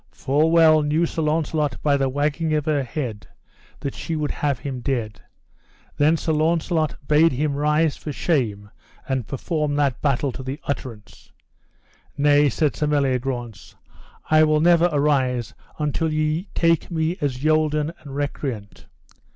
Full well knew Sir Launcelot by the wagging of her head that she would have him dead; then Sir Launcelot bade him rise for shame and perform that battle to the utterance. Nay, said Sir Meliagrance, I will never arise until ye take me as yolden and recreant.